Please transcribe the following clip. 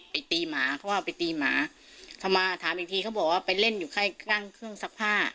ตีหมาเพราะว่าไปตีหมาเขามาถามอีกทีเขาบอกว่าไปเล่นอยู่ข้างเครื่องซักผ้า